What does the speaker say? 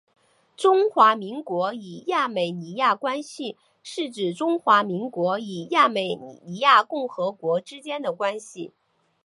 中华民国与亚美尼亚关系是指中华民国与亚美尼亚共和国之间的关系。